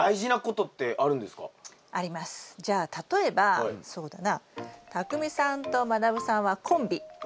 じゃあ例えばそうだなたくみさんとまなぶさんはコンビですよね？